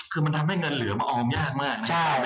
คือมันทำให้เงินเหลือมาออมยากมากนะครับ